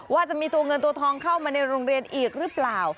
ว่าจะมีตัวเงินตัวทองเข้ามาในโรงเรียนอีกหรือเปล่า